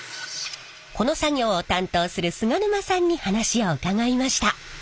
この作業を担当する菅沼さんに話を伺いました。